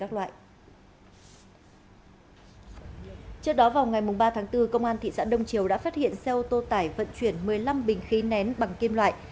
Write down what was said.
trước đó vào ngày ba tháng bốn công an thị xã đông triều đã phát hiện xe ô tô tải vận chuyển một mươi năm bình khí nén bằng kim loại